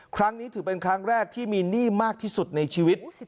ครั้งนี้ถือเป็นครั้งแรกที่มีหนี้มากที่สุดในชีวิต